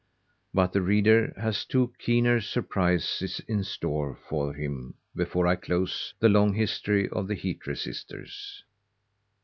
But the reader has two keener surprises in store for him before I close the long history of the heat resisters.